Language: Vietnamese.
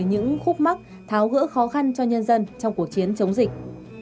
những khúc mắc tháo gỡ khó khăn cho nhân dân trong cuộc chiến chống dịch